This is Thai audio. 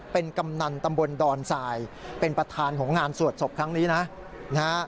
เป็นกำนันตำบลดอนสายเป็นประธานของงานสวดศพครั้งนี้นะนะฮะ